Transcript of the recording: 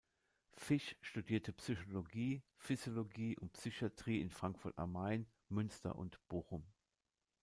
Fisch studierte Psychologie, Physiologie und Psychiatrie in Frankfurt am Main, Münster und Bochum.